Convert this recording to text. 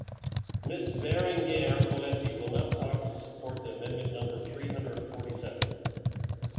Miss Bérengère Poletti will now talk to support the amendment number three hundred forty seven.